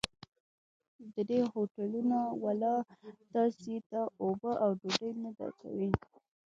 د دې هوټلونو والا تاسې ته اوبه او ډوډۍ نه درکوي.